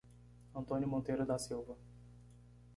Antônio Monteiro da Silva